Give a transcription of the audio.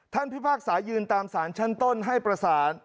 พิพากษายืนตามสารชั้นต้นให้ประสาน